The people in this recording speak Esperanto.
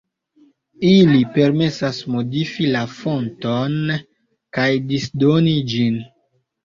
Ili permesas modifi la fonton kaj disdoni ĝin.